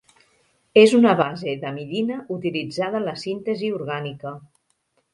És una base d'amidina utilitzada en la síntesi orgànica.